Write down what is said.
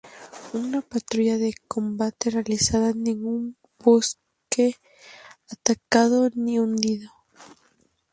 Una patrulla de combate realizada, ningún buque atacado ni hundido.